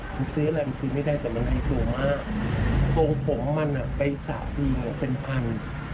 มันซื้ออะไรมันซื้อไม่ได้แต่มันมีส่วนมากทรงผมมันไปสระทีเป็นพัน